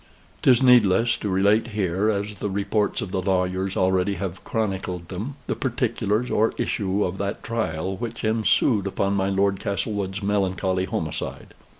'Tis needless to relate here, as the reports of the lawyers already have chronicled them, the particulars or issue of that trial which ensued upon my Lord Castlewood's melancholy homicide.